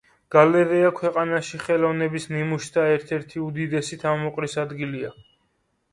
გალერეა ქვეყანაში ხელოვნების ნიმუშთა ერთ-ერთი უდიდესი თავმოყრის ადგილია.